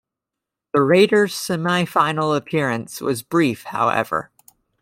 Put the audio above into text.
The Raiders semi-final appearance was brief, however.